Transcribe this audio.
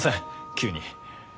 急に。